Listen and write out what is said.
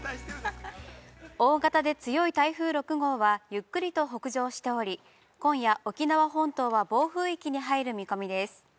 大型で強い台風６号は、ゆっくりと北上しており、今夜沖縄本島は暴風域に入る見込みです。